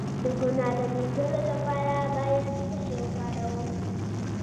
د ګناه د مینځلو لپاره باید څه شی وکاروم؟